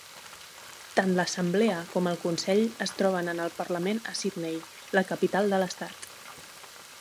Tant l'Assemblea com el Consell es troben en el Parlament a Sydney, la capital de l'estat.